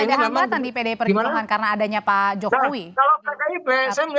ini keadaan yang kelihatan di pdip perguruan karena adanya pak jokowi